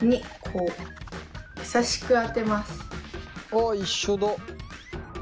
あっ一緒だ。